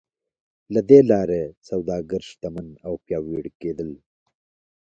له دې لارې سوداګر شتمن او پیاوړي کېدل.